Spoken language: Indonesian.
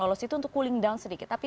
lolos itu untuk cooling down sedikit tapi